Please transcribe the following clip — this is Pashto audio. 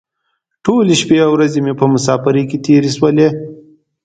ټولې شپې او ورځې مو په مسافرۍ کې تېرې شولې.